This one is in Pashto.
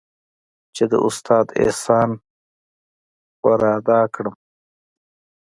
چې د استاد احسان ورادا كړم.